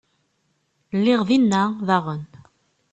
Lliɣ dinna, daɣen.